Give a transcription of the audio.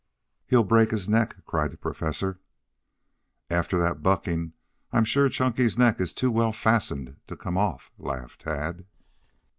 "He'll break his neck!" cried the Professor. "After that bucking I'm sure Chunky's neck is too well fastened to come off," laughed Tad.